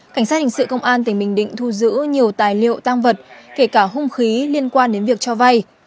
cảnh sát hình sự công an tỉnh bình định thu giữ nhiều tài liệu tăng vật kể cả hung khí liên quan đến việc cho vay